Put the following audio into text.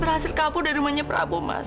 pergi kamu dari sini amira